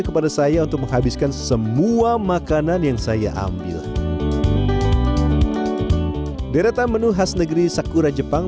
kepada saya untuk menghabiskan semua makanan yang saya ambil deretan menu khas negeri sakura jepang